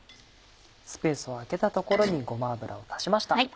スペースを空けた所にごま油を足しました。